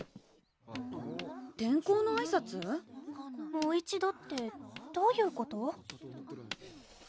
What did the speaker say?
もう一度ってどういうこと？